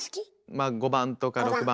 まあ５番とか６番。